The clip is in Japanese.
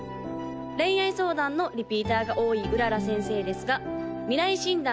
恋愛相談のリピーターが多い麗先生ですが未来診断